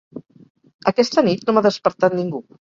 Aquesta nit no m'ha despertat ningú.